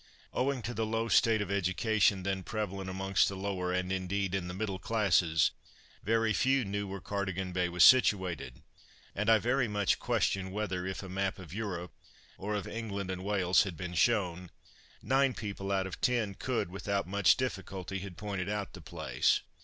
Owing to the low state of education then prevalent amongst the lower and, indeed, in the middle classes very few knew where Cardigan Bay was situated and I very much question whether, if a map of Europe, or of England and Wales, had been shown, nine people out of ten could, without much difficulty, have pointed out the place.